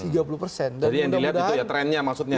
jadi yang dilihat itu ya trennya maksudnya